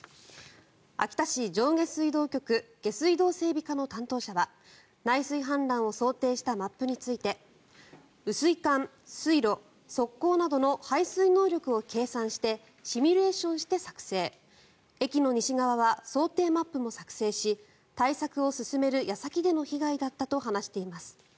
秋田市上下水道局下水道整備課の担当者は内水氾濫を想定したマップについて雨水管、水路、側溝などの排水能力を計算してシミュレーションして作成駅の西側は想定マップも作成し対策を進める矢先での被害だったと話しています。